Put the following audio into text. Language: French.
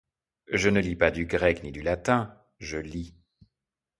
Je ne lis pas du grec ni du latin ; je lis